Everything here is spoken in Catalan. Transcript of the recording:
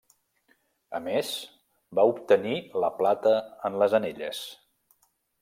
A més, va obtenir la plata en les anelles.